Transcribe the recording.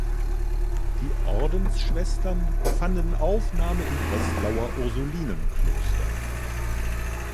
Die Ordensschwestern fanden Aufnahme im Breslauer Ursulinenkloster.